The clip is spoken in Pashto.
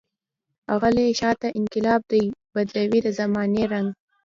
غلی شانته انقلاب دی، بدلوي د زمانې رنګ.